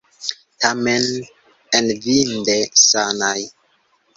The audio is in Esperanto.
Tamen enviinde sanaj.